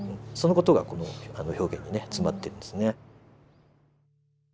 その事がこの表現にね詰まってるんですね。